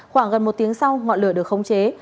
khoảng gần một tiếng sau ngọn lửa được khống chế